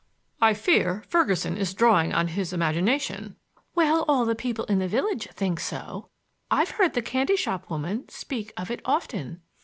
"I fear Ferguson is drawing on his imagination." "Well, all the people in the village think so. I've heard the candy shop woman speak of it often."